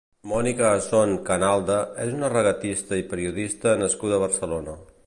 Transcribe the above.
Mónica Azón Canalda és una regatista i periodista nascuda a Barcelona.